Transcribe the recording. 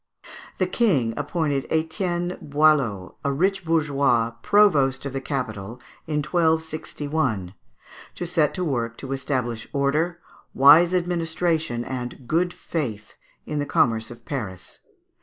The King appointed Etienne Boileau, a rich bourgeois, provost of the capital in 1261, to set to work to establish order, wise administration, and "good faith" in the commerce of Paris.